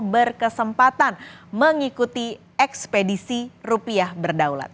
berkesempatan mengikuti ekspedisi rupiah berdaulat